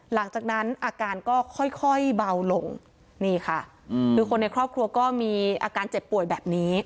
หลังจากนั้นอาการก็ค่อยเบาลงนี่ค่ะคือคนในครอบครัวก็มีอาการเจ็บป่วยแบบนี้